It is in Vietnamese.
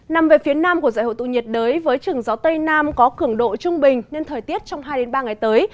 nằm về phía nam của giải hội tụ nhiệt đới với trường gió tây nam có cường độ trung bình nên thời tiết trong hai ba ngày tới